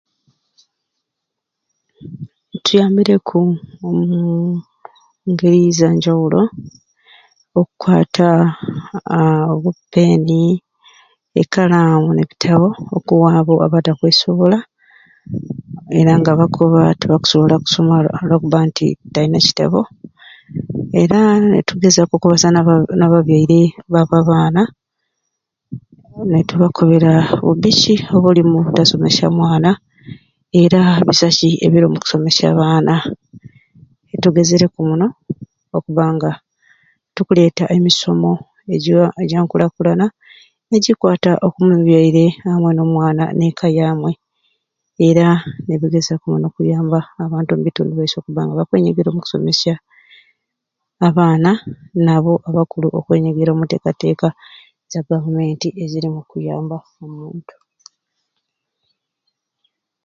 Tuyambireku omuu ngeri zanjawulo okwaata aahh obu peni ne kalamu nebitabu okuwa abo abatakwesobola era nga bakoba nti tibakusobola kusoma olwakuba nti tayina kitabo era nitugezaku okubaza naba nababyaire ba baana netubakobera bubi ki obuli omubutasomesya mwana era bisai ki ebiri omukusomesya abaana tugezereku muno okubanga tukuleeta emisomo eza ejankulakulana nejikwata okumubyaire amwei nomwana ne'kka yamwei era nibigezaku muno okuyamba abantu baiswe okuba nga bakwenyigira omu kusomesya abaana nabo abakulu okwenyigiira omuntekateka eza gavumenti eziri omukuyamba omuntu.